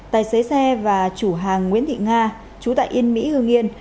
tài xế xe và chủ hàng nguyễn thị nga chú tại yên mỹ hương yên